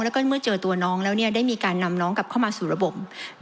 แล้วก็เมื่อเจอตัวน้องแล้วได้มีการนำน้องกลับเข้ามาสู่ระบบ